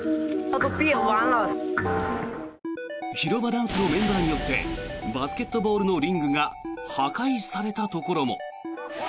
広場ダンスのメンバーによってバスケットボールのリングが破壊されたところも。